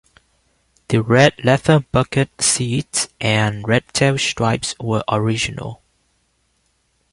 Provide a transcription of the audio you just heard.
The red leather bucket seats and red tail stripes were original.